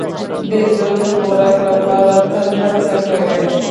بیزو د خوراک لپاره تل هڅه کوي.